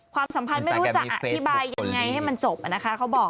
ความสัมพันธ์ไม่รู้จะอธิบายยังไงให้มันจบนะคะเขาบอก